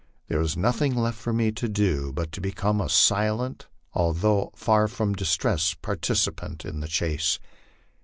There was nothing left for me to do but to become a silent although far from disinterested participant in the chase.